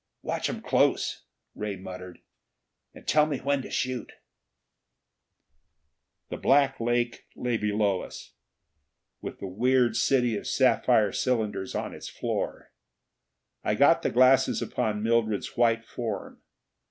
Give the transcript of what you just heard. "Watch 'em close," Ray muttered. "And tell me when to shoot." The black lake lay below us, with the weird city of sapphire cylinders on its floor. I got the glasses upon Mildred's white form.